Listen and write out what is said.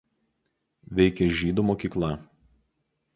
Veikė žydų mokykla.